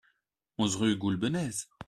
onze rue Goulbenèze